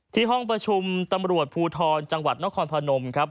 ห้องประชุมตำรวจภูทรจังหวัดนครพนมครับ